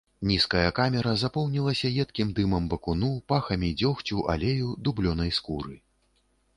Нізкая камера запоўнілася едкім дымам бакуну, пахамі дзёгцю, алею, дублёнай скуры.